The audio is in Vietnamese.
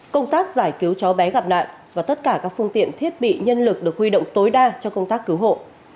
công tác giải cứu cháu bé gặp nạn và tất cả các phương tiện thiết bị nhân lực được huy động tối đa cho công tác cứu hộ